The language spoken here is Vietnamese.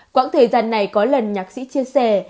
quãng thời gian này có lần nhạc sĩ chia sẻ